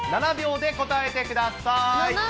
７秒で答えてください。